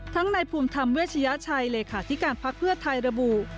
ในภูมิธรรมเวชยชัยเลขาธิการพักเพื่อไทยระบุ